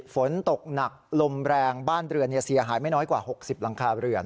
ฝนตกหนักลมแรงบ้านเรือนเสียหายไม่น้อยกว่า๖๐หลังคาเรือน